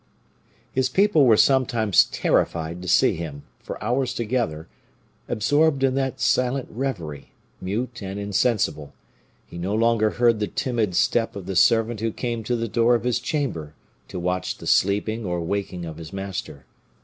His people were sometimes terrified to see him, for hours together, absorbed in silent reverie, mute and insensible; he no longer heard the timid step of the servant who came to the door of his chamber to watch the sleeping or waking of his master.